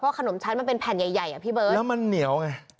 ขนมชั้นมันเป็นแผ่นใหญ่ใหญ่อ่ะพี่เบิร์ตแล้วมันเหนียวไง